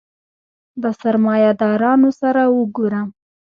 د سرمایه دارانو سره وګورم.